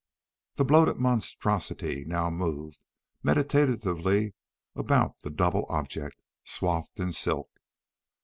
The bloated monstrosity now moved meditatively about the double object swathed in silk.